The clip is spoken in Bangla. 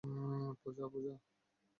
পূজা, পূজা।